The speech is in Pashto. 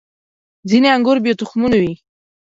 • ځینې انګور بې تخمونو وي.